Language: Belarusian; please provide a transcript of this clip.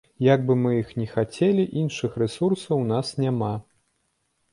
Як бы мы ні хацелі, іншых рэсурсаў у нас няма.